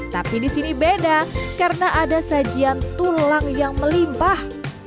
tapi di sini beda karena ada sajian tulang yang melimpah